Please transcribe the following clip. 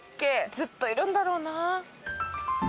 ずっといるんだろうな。